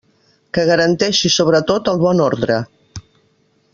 Que garanteixi sobretot el bon ordre.